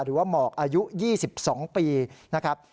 หรือว่าหมอกอายุ๒๒ปีนะครับ